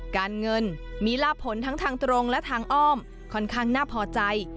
การเงินมีลาบผลทั้งทางตรงและทางอ้อมค่อนข้างน่าพอใจ